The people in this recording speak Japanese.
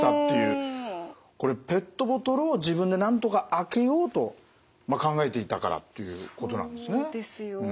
これペットボトルを自分でなんとか開けようと考えていたからっていうことなんですね。